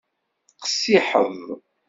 Qessiḥeḍ.